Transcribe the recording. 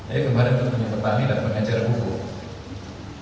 jadi kemarin ketemu petani dan mengejar pokok